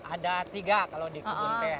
ada tiga kalau dikebun teh